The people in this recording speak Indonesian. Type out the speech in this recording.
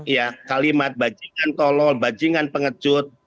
ya kalimat bajingan tolol bajingan pengecut